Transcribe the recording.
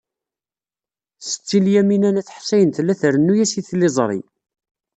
Setti Lyamina n At Ḥsayen tella trennu-as i tliẓri.